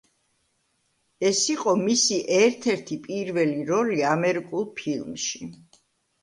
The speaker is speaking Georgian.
ეს იყო მისი ერთ-ერთი პირველი როლი ამერიკულ ფილმში.